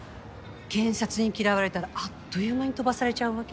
検察に嫌われたらあっという間に飛ばされちゃうわけ。